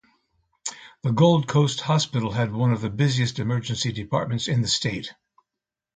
The Gold Coast Hospital had one of the busiest emergency departments in the state.